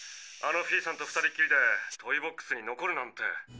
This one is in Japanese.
あのフィーさんと２人きりでトイボックスに残るなんて。